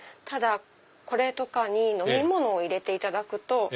ただこれとかに飲み物を入れていただくと。